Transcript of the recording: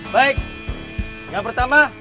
baik yang pertama